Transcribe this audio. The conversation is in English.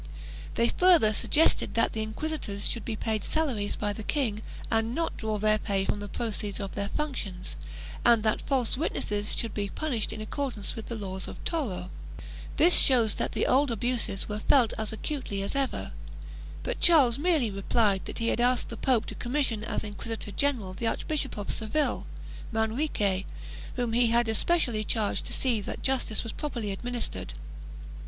They further suggested that inquisitors should be paid salaries by the king and not draw their pay from the proceeds of their functions, and that false witnesses should be punished in accordance with the Laws of Toro. This shows that the old abuses were felt as acutely as ever, but Charles merely replied that he had asked the pope to commission as inquisitor general the Archbishop of Seville, Maririque, whom he had especially charged to see that justice was properly administered.